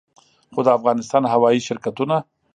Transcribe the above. خو د افغانستان هوايي شرکتونه